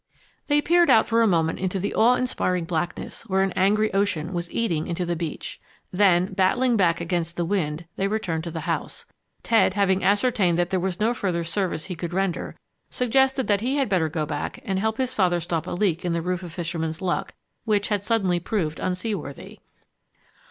They peered out for a moment into the awe inspiring blackness where an angry ocean was eating into the beach. Then, battling back against the wind, they returned to the house. Ted, having ascertained that there was no further service he could render, suggested that he had better go back and help his father stop a leak in the roof of Fisherman's Luck, which had suddenly proved unseaworthy.